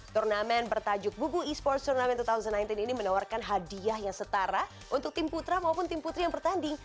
turnamen bertajuk bubu e sports turnamen dua ribu sembilan belas ini menawarkan hadiah yang setara untuk tim putra maupun tim putri yang bertanding